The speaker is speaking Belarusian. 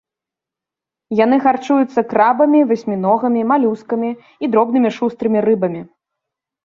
Яны харчуюцца крабамі, васьміногамі, малюскамі і дробнымі шустрымі рыбамі.